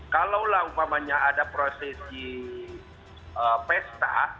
kalau lah umpamanya ada prosesi pesta